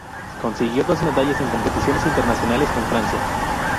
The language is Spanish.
Consiguió dos medallas en competiciones internacionales con Francia.